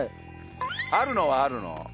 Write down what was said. あるのはあるの？